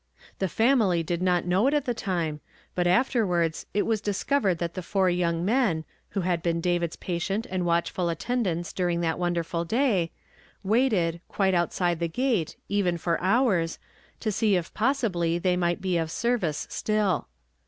The family did not know it at the time, but afterwards it Avas discovered that the four young men, who had been David's patient and watchful attendants dur ing that wonderful day, waited, quite outside the gate, even for hours, to see if possibly they might be of service still.